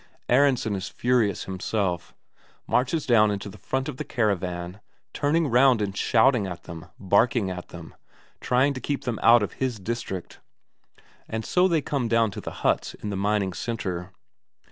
Aronsen is furious himself, marches down in front of the caravan, turning round and shouting at them, barking at them, trying to keep them out of his district. And so they come down to the huts in the mining centre.